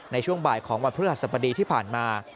ในช่วงบ่ายของวันพฤหัสบดีที่ผ่านมา